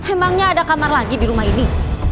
emangnya ada kamar lagi di rumah ini